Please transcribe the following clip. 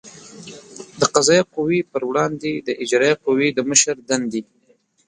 د قضایه قوې پر وړاندې د اجرایه قوې د مشر دندې